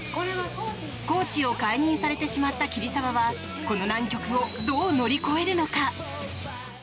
コーチを解任されてしまった桐沢はこの難局をどう乗り越えるのか。